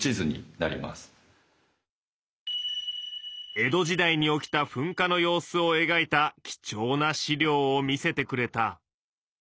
江戸時代に起きた噴火の様子をえがいた貴重な史料を見せてくれた。